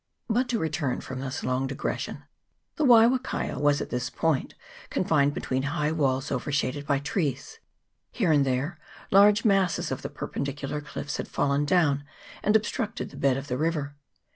But to return from this long digression, The Waiwakaio was at this point confined between high walls overshaded by trees ; here and there CHAP. VII.] PURCHASE OF LAND. 161 large masses of the perpendicular cliffs had fallen down and obstructed the bed of the river.